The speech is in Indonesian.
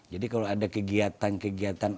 jadi kalau ada kegiatan kegiatan